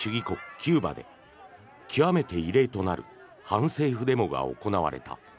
キューバで極めて異例となる反政府デモが行われた。